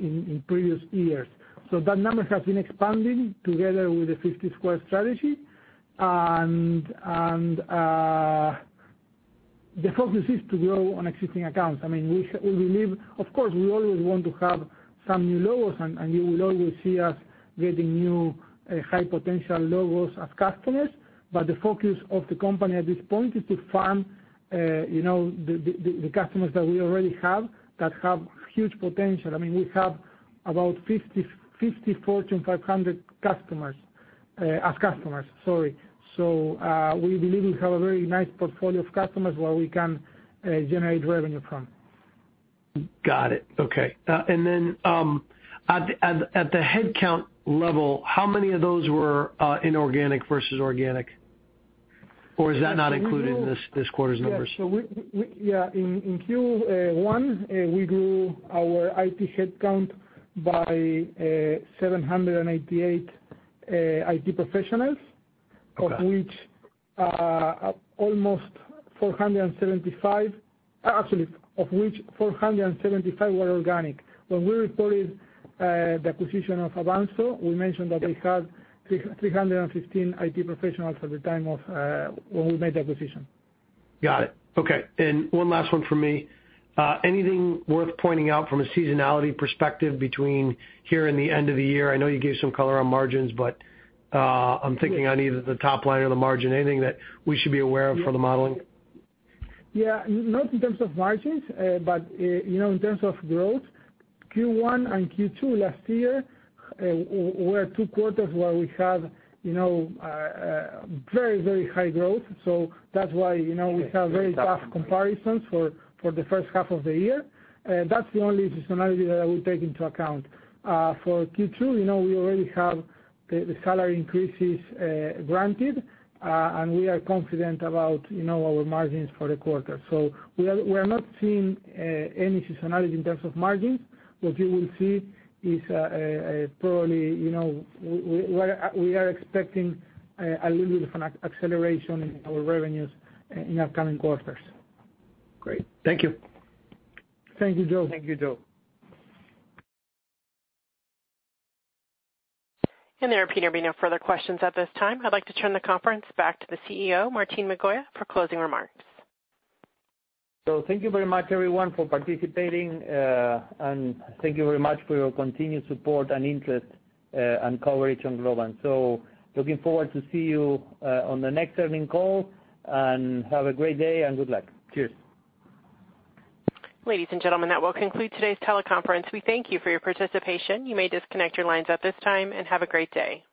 in previous years. That number has been expanding together with the 50 Squared strategy. The focus is to grow on existing accounts. We believe, of course, we always want to have some new logos, and you will always see us getting new high potential logos as customers. The focus of the company at this point is to farm the customers that we already have that have huge potential. We have about 50 Fortune 500 customers, sorry. We believe we have a very nice portfolio of customers where we can generate revenue from. Got it. Okay. At the headcount level, how many of those were inorganic versus organic? Is that not included in this quarter's numbers? Yeah. In Q1, we grew our IT headcount by 788 IT professionals. Okay. Actually, of which 475 were organic. When we reported the acquisition of Avanxo, we mentioned that they had 315 IT professionals at the time of when we made the acquisition. Got it. Okay. One last one from me. Anything worth pointing out from a seasonality perspective between here and the end of the year? I know you gave some color on margins, but I'm thinking on either the top line or the margin, anything that we should be aware of for the modeling? Yeah. Not in terms of margins, but in terms of growth, Q1 and Q2 last year were 2 quarters where we had very high growth. That's why we have very tough comparisons for the first half of the year. That's the only seasonality that I would take into account. For Q2, we already have the salary increases granted, and we are confident about our margins for the quarter. We are not seeing any seasonality in terms of margins. What you will see is probably we are expecting a little bit of an acceleration in our revenues in upcoming quarters. Great. Thank you. Thank you, Joe. Thank you, Joe. There appear to be no further questions at this time. I'd like to turn the conference back to the CEO, Martín Migoya, for closing remarks. Thank you very much everyone for participating, and thank you very much for your continued support and interest and coverage on Globant. Looking forward to see you on the next earning call, and have a great day and good luck. Cheers. Ladies and gentlemen, that will conclude today's teleconference. We thank you for your participation. You may disconnect your lines at this time, and have a great day.